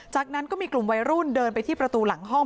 จากนั้นก็มีกลุ่มวัยรุ่นเดินไปที่ประตูหลังห้อง